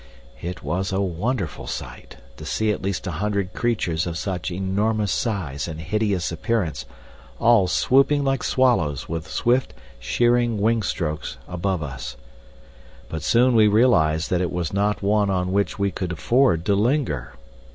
It was a wonderful sight to see at least a hundred creatures of such enormous size and hideous appearance all swooping like swallows with swift, shearing wing strokes above us; but soon we realized that it was not one on which we could afford to linger.